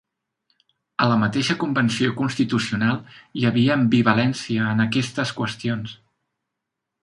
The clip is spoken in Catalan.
A la mateixa convenció constitucional hi havia ambivalència en aquestes qüestions.